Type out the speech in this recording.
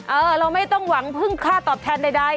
เราไม่ต้องหวังพึ่งค่าตอบแทนใด